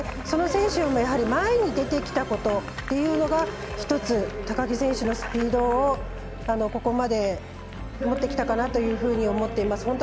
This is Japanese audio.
その選手よりも前に出てきたことというのが１つ高木選手のスピードをここまで、持ってきたかなと思っています。